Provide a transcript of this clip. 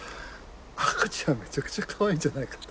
赤ちゃんめちゃくちゃかわいいんじゃないかと。